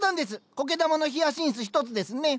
苔玉のヒアシンス一つですね。